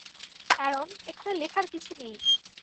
Aaron, এখানে লেখার কিছু নেই।